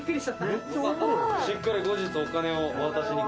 「しっかり後日お金をお渡しに」